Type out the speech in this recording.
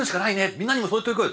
みんなにもそう言っておくよ」